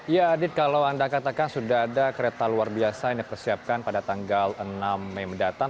ya adit kalau anda katakan sudah ada kereta luar biasa yang dipersiapkan pada tanggal enam mei mendatang